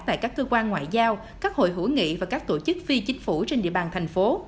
tại các cơ quan ngoại giao các hội hữu nghị và các tổ chức phi chính phủ trên địa bàn thành phố